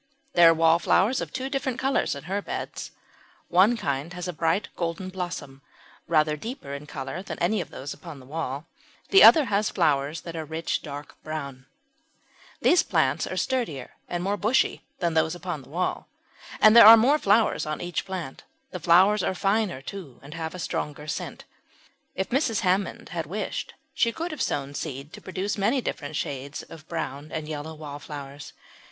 There are wallflowers of two different colours in her beds. One kind has bright golden blossoms, rather deeper in colour than any of those upon the wall; the other has flowers that are a rich dark brown. [Illustration: WALLFLOWER.] These plants are sturdier and more bushy than those upon the wall, and there are more flowers on each plant. The flowers are finer, too, and have a stronger scent. If Mrs. Hammond had wished she could have sown seed to produce many different shades of brown and yellow Wallflowers.